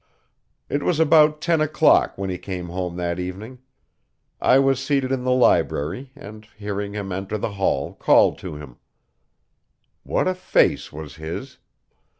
It was about ten o'clock when he came home that evening. I was seated in the library and, hearing him enter the hall, called to him. What a face was his!